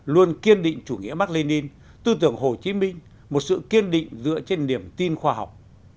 luôn kiên định chủ nghĩa mạc lê ninh tư tưởng hồ chí minh một sự kiên định dựa trên niềm tin khoa học